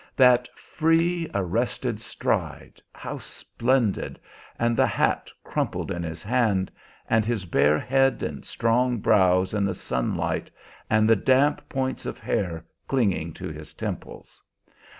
"That free, arrested stride, how splendid! and the hat crumpled in his hand, and his bare head and strong brows in the sunlight, and the damp points of hair clinging to his temples!